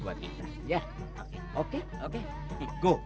mulut kakek mau